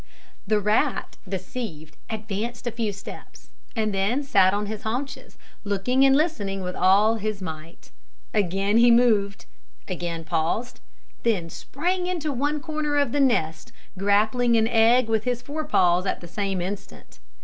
The rat, deceived, advanced a few steps, and then sat on his haunches, looking and listening with all his might. Again he moved, again paused, then sprang into one corner of the nest, grappling an egg with his fore paws at the same instant.